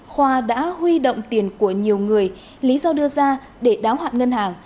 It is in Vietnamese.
khoa đã huy động tiền của nhiều người lý do đưa ra để đáo hạn ngân hàng